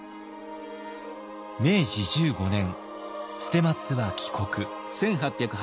明治１５年捨松は帰国。